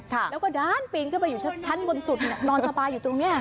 แล้วก็ด้านปีนขึ้นไปอยู่ชั้นบนสุดนอนสบายอยู่ตรงเนี้ย